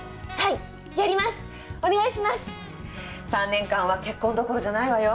３年間は結婚どころじゃないわよ。